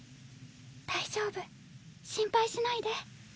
大丈夫心配しないで。